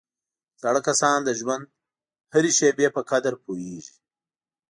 زاړه کسان د ژوند هره شېبه په قدر پوهېږي